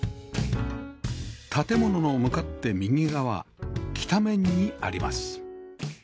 建物の向かって右側北面にあります